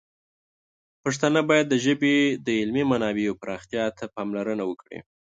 پښتانه باید د ژبې د علمي منابعو پراختیا ته پاملرنه وکړي.